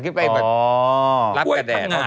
ขึ้นไปแบบรับแดด